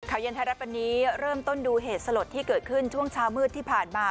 เย็นไทยรัฐวันนี้เริ่มต้นดูเหตุสลดที่เกิดขึ้นช่วงเช้ามืดที่ผ่านมา